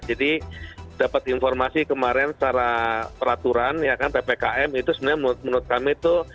jadi dapat informasi kemarin secara peraturan ya kan ppkm itu sebenarnya menurut kami itu